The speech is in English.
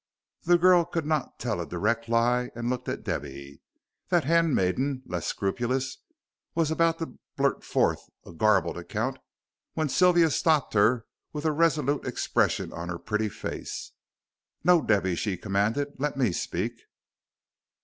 The girl could not tell a direct lie, and looked at Debby. That handmaiden, less scrupulous, was about to blurt forth a garbled account, when Sylvia stopped her with a resolute expression on her pretty face. "No, Debby," she commanded, "let me speak.